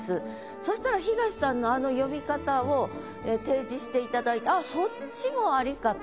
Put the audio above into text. そしたら東さんのあの読み方を提示していただいてあっそっちもありかと。